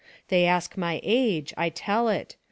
They ask my age; I tell it.